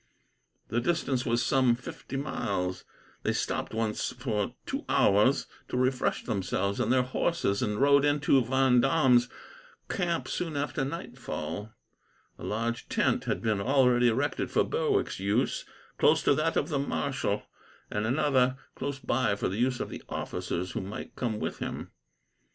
The distance was some fifty miles. They stopped once for two hours, to refresh themselves and their horses, and rode into Vendome's camp soon after nightfall. A large tent had been already erected for Berwick's use, close to that of the marshal; and another, close by, for the use of the officers who might come with him.